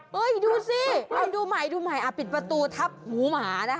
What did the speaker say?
เฮ้ยดูสิดูใหม่ปิดประตูทับหูหมานะคะ